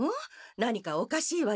何かおかしいわよ？